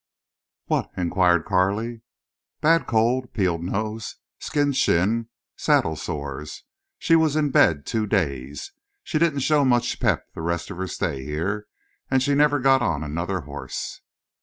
"What?" inquired Carley. "Bad cold, peeled nose, skinned shin, saddle sores. She was in bed two days. She didn't show much pep the rest of her stay here, and she never got on another horse."